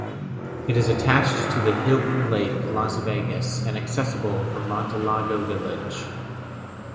It is attached to the Hilton Lake Las Vegas and accessible from MonteLago Village.